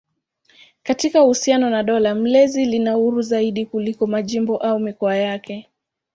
Katika uhusiano na dola mlezi lina uhuru zaidi kuliko majimbo au mikoa yake.